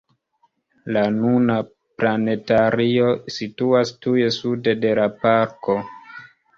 La nuna planetario situas tuj sude de la parko.